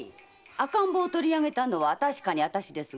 赤ん坊を取りあげたのは確かにあたしですが？